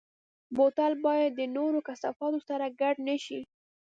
بوتل باید د نورو کثافاتو سره ګډ نه شي.